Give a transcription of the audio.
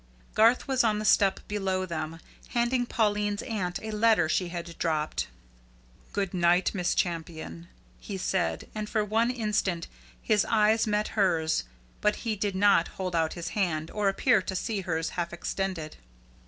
Garth was on the step below them, handing Pauline's aunt a letter she had dropped. "Good night, Miss Champion," he said, and for one instant his eyes met hers, but he did not hold out his hand, or appear to see hers half extended.